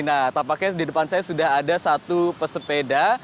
nah tampaknya di depan saya sudah ada satu pesepeda